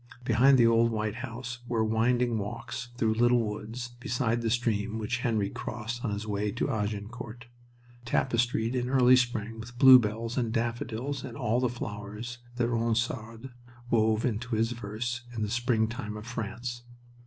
Behind the old white house were winding walks through little woods beside the stream which Henry crossed on his way to Agincourt; tapestried in early spring with bluebells and daffodils and all the flowers that Ronsard wove into his verse in the springtime of France.